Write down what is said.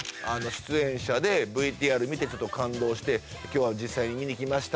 「出演者でＶＴＲ見て」「感動して今日は実際に見にきました」